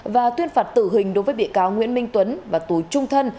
và tuyên phạt tử hình đối với bị cáo nguyễn minh tuấn và tù trung thân